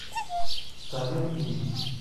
Stadion im.